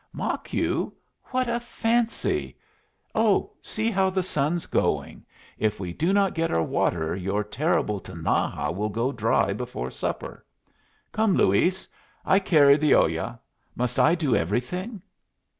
"Mock you? What a fancy! Oh, see how the sun's going! If we do not get our water, your terrible Tinaja will go dry before supper. Come, Luis, I carried the olla. Must I do everything?"